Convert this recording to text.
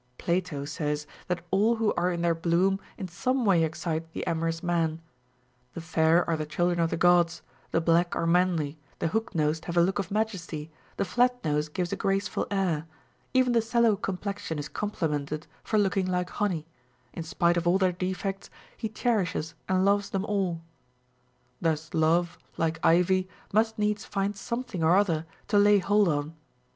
Plato says that all who are in their bloom in some way excite the amorous man; — the fair are the children of the Gods, the black are manly, the hook nosed have a look of majesty, the flat nose gives a graceful air, even the sallow complexion is complimented for look ing like honey ; in spite of all their defects, he cherishes and loves them all * Thus love, like ivy, must needs find something or other to lay hold on.